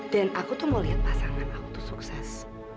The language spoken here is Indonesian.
dan aku tuh mau lihat pasangan aku tuh sukses